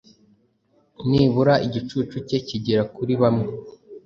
nibura igicucu cye kigere kuri bamwe.”